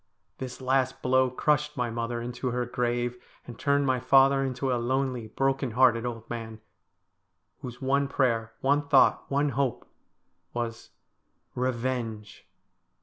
This last blow crushed my mother into her grave, and turned my father into a lonely, broken hearted old man, whose one prayer, one thought, one hope was — Eevenge